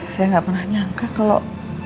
saya nggak pernah nyangka kalau